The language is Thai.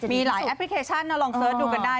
มีหลายแอปพลิเคชันลองเสิร์ชดูกันได้